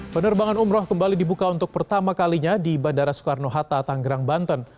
penerbangan umroh kembali dibuka untuk pertama kalinya di bandara soekarno hatta tanggerang banten